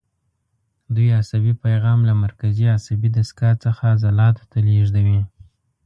دوی عصبي پیغام له مرکزي عصبي دستګاه څخه عضلاتو ته لېږدوي.